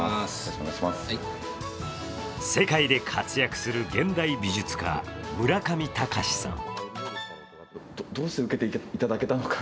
世界で活躍する現代美術家・村上隆さん。